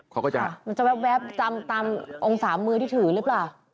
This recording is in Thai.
มันจะแบบตามองศาภาคมือที่ถือลึกเปล่า